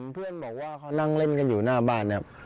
เพื่อนบอกว่าเขานั่งเล่นกันอยู่หน้าบ้านครับ